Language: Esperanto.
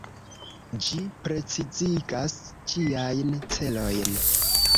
Ĝi precizigas ĝiajn celojn.